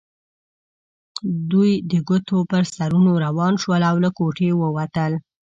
دوی د ګوتو پر سرونو روان شول او له کوټې ووتل.